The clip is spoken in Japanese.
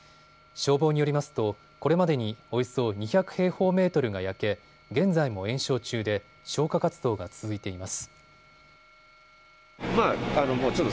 消防によりますとこれまでにおよそ２００平方メートルが焼け現在も延焼中で消火活動が続いています。